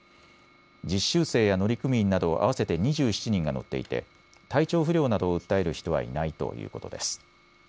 実習生や乗組員など合わせて２７人が乗っていて体調不良などを訴える人はいないということです。